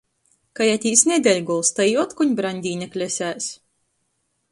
Kai atīs nedeļgols, tai jī otkon braņdīņa klesēs.